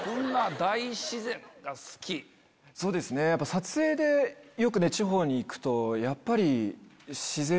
撮影でよく地方に行くとやっぱり。